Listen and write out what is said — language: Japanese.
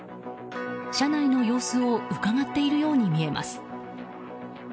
車内の様子をうかがっているように見えます。